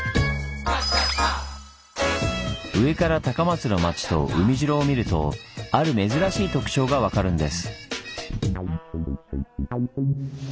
上から高松の町と海城を見るとある珍しい特徴が分かるんです。